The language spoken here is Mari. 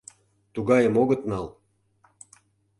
Тугайым огыт нал!